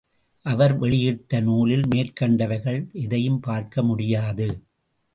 அவர் வெளியிட்ட நூலில் மேற்கண்டவைகள் எதையும் பார்க்க முடியாது.